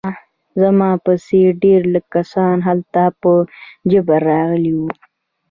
زما په څېر ډېر لږ کسان هلته په جبر راغلي وو